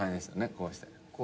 こうして。